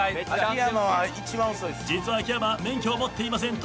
実は秋山免許を持っていません。